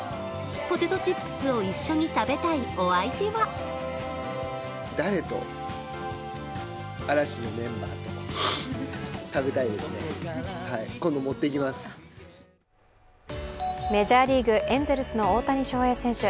ポテトチップスを一緒に食べたいお相手はメジャーリーグ、エンゼルスの大谷翔平選手。